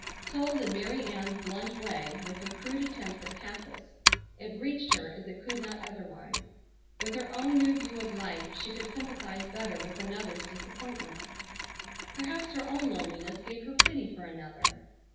Told in Mary Ann's blunt way, with her crude attempts at pathos, it reached her as it could not otherwise. With her own new view of life she could sympathize better with another's disappointments. Perhaps her own loneliness gave her pity for another.